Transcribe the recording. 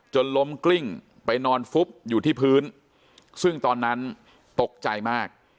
ล้มกลิ้งไปนอนฟุบอยู่ที่พื้นซึ่งตอนนั้นตกใจมาก